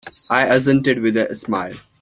I assented with a smile.